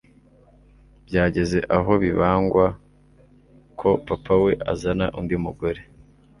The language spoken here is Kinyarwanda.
byageze aho bibangbwa ko papa we azana undi mugore